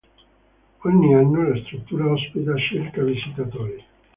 Ogni anno la struttura ospita circa visitatori.